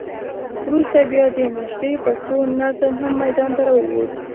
وروسته بیا د نشرې پښتو نظم هم ميدان ته راووت.